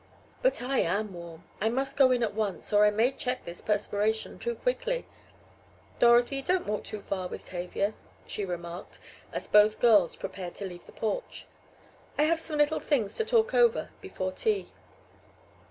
But I am warm! I must go in at once or I may check this perspiration too quickly. Dorothy, don't walk too far with Tavia," she remarked, as both girls prepared to leave the porch, "I have some little things to talk over before tea."